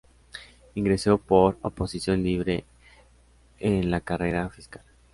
Ingresó por oposición libre en la carrera fiscal.